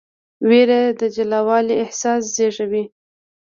ویره د جلاوالي احساس زېږوي.